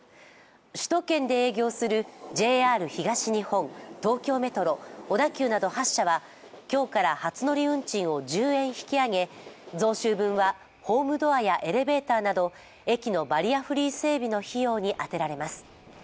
首都圏で営業するＪＲ東日本、東京メトロ、小田急など８社は今日から初乗り運賃を１０円引き上げ増収分はホームドアやエレベーターなど駅のバリアフリー整備の費用に充てられます。